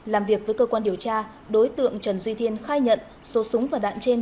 làm việc với cơ quan điều tra đối tượng trần duy thiên khai nhận số súng và đạn trên